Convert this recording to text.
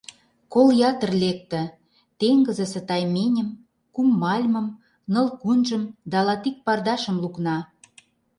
Кол ятыр лекте: теҥызысе тайменьым, кум мальмым, ныл кунжым да латик пардашым лукна.